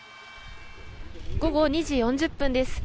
午後２時４０分です。